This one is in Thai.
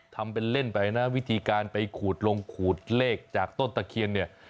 ทำเป็นเล่นไปนะวิธีการไปขูดลงขูดเลขจากต้นตะเคียนเนี่ย